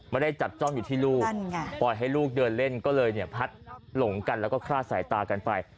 ไม่ได้จับจ้อมอยู่ที่ลูกปล่อยลูกเดินเล่นก็เลยพัดหลงกันพ่อคุยต่อเธอ